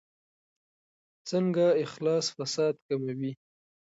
څنګه اخلاص فساد کموي؟